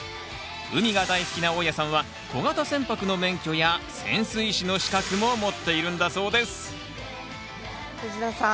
海が大好きな大家さんは小型船舶の免許や潜水士の資格も持っているんだそうです藤田さん